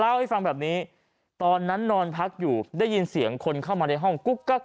เล่าให้ฟังแบบนี้ตอนนั้นนอนพักอยู่ได้ยินเสียงคนเข้ามาในห้องกุ๊กกัก